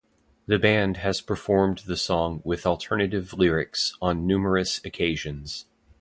The band has performed the song with alternative lyrics on numerous occasions.